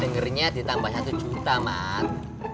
dengernya ditambah satu juta mat